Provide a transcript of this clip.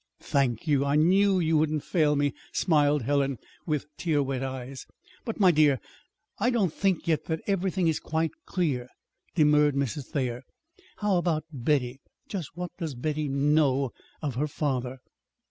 "Thank you. I knew you wouldn't fail me," smiled Helen, with tear wet eyes. "But, my dear, I don't think yet that everything is quite clear," demurred Mrs. Thayer. "How about Betty? Just what does Betty know of her father?"